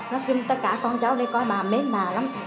nói chung tất cả con cháu đây có bà mến bà lắm